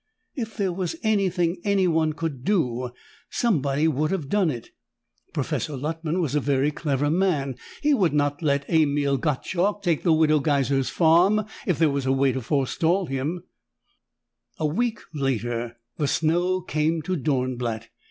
If there was anything anyone could do, somebody would have done it. Professor Luttman was a very clever man. He would not let Emil Gottschalk take the Widow Geiser's farm if there was a way to forestall him. A week later, the snow came to Dornblatt.